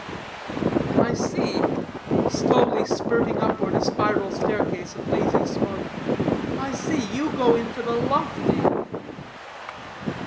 "I see," slowly spirting upward a spiral staircase of lazy smoke, "I see; you go in for the lofty."